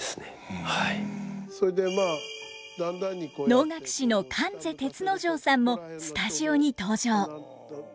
能楽師の観世銕之丞さんもスタジオに登場。